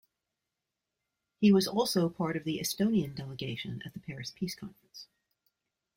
He was also part of the Estonian delegation at the Paris Peace Conference.